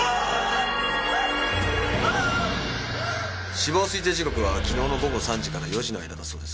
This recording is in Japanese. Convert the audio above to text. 死亡推定時刻は昨日の午後３時から４時の間だそうです。